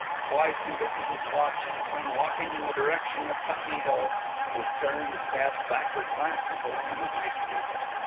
Twice he looked at his watch and, when walking in the direction of Putney Hill, he would turn and cast backward glances along the High Street.